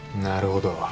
なるほど。